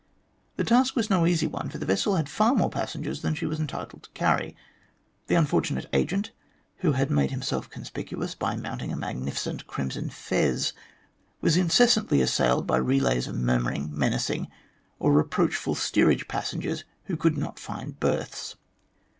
The task was no easy one, for the vessel had far more passengers than she was entitled to carry. The un fortunate agent, who had made himself conspicuous by mounting a magnificent crimson fez, was incessantly assailed by relays of murmuring, menacing, or reproachful steerage passengers who could not find berths.